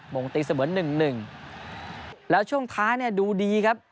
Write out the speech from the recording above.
งงตีเสมอหนึ่งหนึ่งแล้วช่วงท้ายเนี่ยดูดีครับ